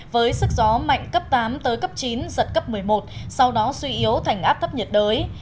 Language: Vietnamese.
với sức gió mạnh cấp tám tới cấp chín giật cấp một mươi một sau đó suy yếu thành áp thấp nhiệt đới